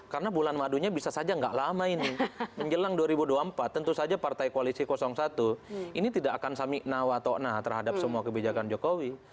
karena bulan madunya bisa saja nggak lama ini menjelang dua ribu dua puluh empat tentu saja partai koalisi satu ini tidak akan samiknaw atau enah terhadap semua kebijakan jokowi